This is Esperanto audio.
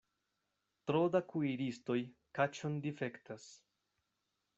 Tro da kuiristoj kaĉon difektas.